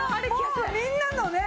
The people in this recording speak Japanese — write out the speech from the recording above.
もうみんなのね